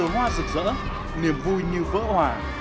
đường phố sài gòn ngập tràn cơ hoa rực rỡ niềm vui như vỡ hỏa